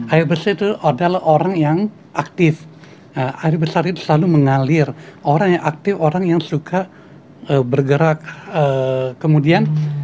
air besar itu adalah orang yang aktif air besar itu selalu mengalir orang yang aktif orang yang suka bergerak kemudian